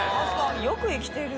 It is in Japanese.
よく生きてる。